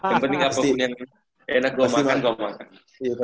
yang penting apapun yang enak gue makan gue makan